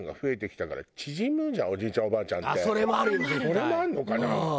それもあるのかな？